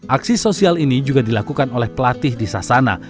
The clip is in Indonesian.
aksi sosial ini juga dilakukan oleh pelatih di sasana